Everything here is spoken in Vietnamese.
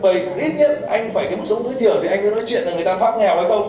vượt bảy ít nhất anh phải cái mức sống tối thiểu thì anh cứ nói chuyện là người ta thoát nghèo hay không